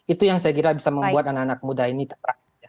itu yang saya kira bisa membuat anak anak muda ini terang